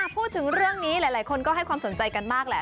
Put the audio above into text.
พูดถึงเรื่องนี้หลายคนก็ให้ความสนใจกันมากแหละ